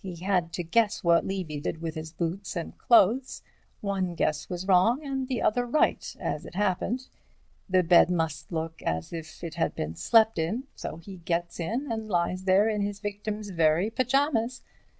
He had to guess what Levy did with boots and clothes; one guess was wrong and the other right, as it happened. The bed must look as if it had been slept in, so he gets in, and lies there in his victim's very pyjamas.